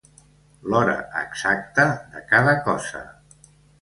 L'hora exacta de cada cosa.